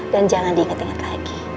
dan jangan diinget inget lagi